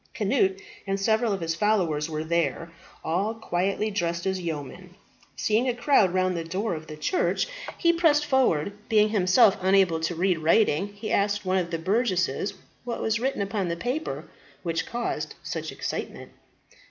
Cnut and several of his followers were there, all quietly dressed as yeomen. Seeing a crowd round the door of the church, he pressed forward. Being himself unable to read writing, he asked one of the burgesses what was written upon the paper which caused such excitement.